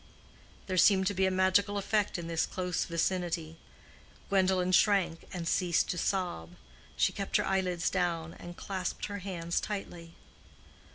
There seemed to be a magical effect in this close vicinity. Gwendolen shrank and ceased to sob. She kept her eyelids down and clasped her hands tightly.